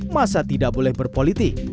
masa tidak boleh berpolitik